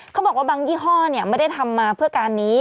เขาบอกว่าบางยี่ห้อไม่ได้ทำมาเพื่อการนี้